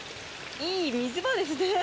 いい水場ですね